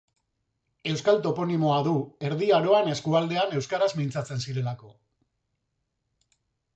Euskal toponimoa du, Erdi Aroan eskualdean euskaraz mintzatzen zirelako.